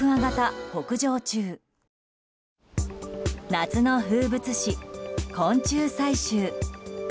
夏の風物詩、昆虫採集。